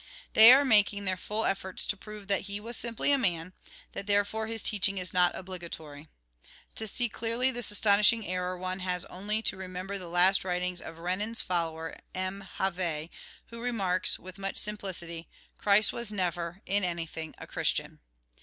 They are making their full efforts to prove that he was simply a man, that, therefore, his teaching is not obligatory. To see clearly this astonishing error, one has only to remember the last writings of Eenan's follower, M. Havet, who remarks, with much simplicity, " Christ was never, in anything, a Christian."